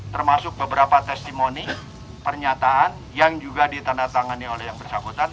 termasuk beberapa testimoni pernyataan yang juga ditandatangani oleh yang bersangkutan